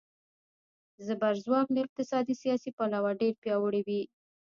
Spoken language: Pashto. زبرځواک له اقتصادي، سیاسي پلوه ډېر پیاوړي وي.